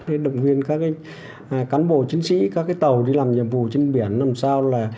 đồng nguyên các cán bộ chiến sĩ các tàu đi làm nhiệm vụ trên biển làm sao là